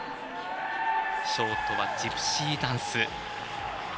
ショートは「ジプシー・ダンス」。